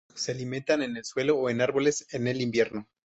Se alimentan en el suelo, o en árboles en el invierno.